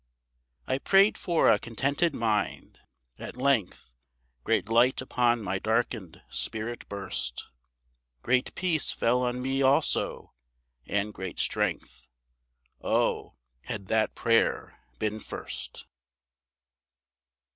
I prayed for a contented mind. At length Great light upon my darkened spirit burst. Great peace fell on me also, and great strength Oh, had that prayer been first!